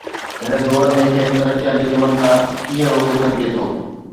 هن دور ۾ کين ترقياتي ڪمن کان ڪيئن روڪي سگهجي ٿو؟